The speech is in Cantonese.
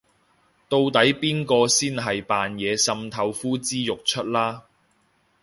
到底邊個先係扮嘢滲透呼之欲出啦